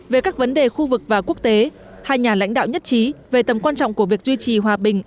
về các vấn đề khu vực và quốc tế hai nhà lãnh đạo nhất trí về tầm quan trọng của việc duy trì hòa bình